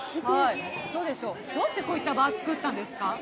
どうでしょう、どうしてこういった場を作ったんですか？